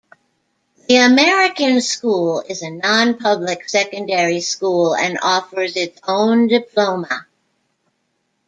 The American School is a non-public secondary school and offers its own diploma.